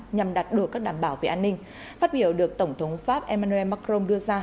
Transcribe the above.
nhằm đạt được các đảm bảo về an ninh phát biểu được tổng thống pháp emmanuel macron đưa ra